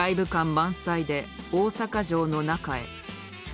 満載で大阪城の中へ。